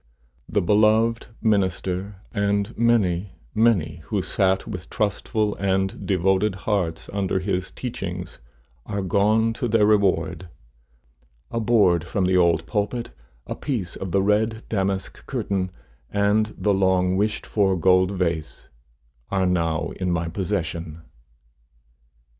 The beloved minister, and many, many who sat with trustful and devoted hearts under his teachings, are gone to their reward. A board from the old pulpit, a piece of the red damask curtain, and the long wished for gold vase, are now in my possession.